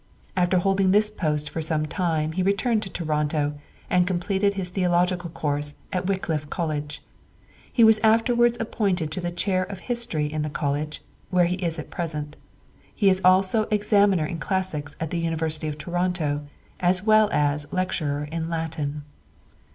After holding this post for some time he returned to Toronto, and completed his theological course at Wycliffe College. He was afterwards appointed to the chair of Church History in this college, where he is at present. He is also examiner in classics at the University of Toronto, as well as lecturer in Latin.